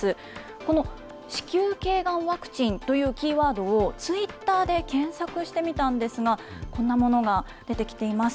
この、子宮けいがんワクチンというキーワードを、ツイッターで検索してみたんですが、こんなものが出てきています。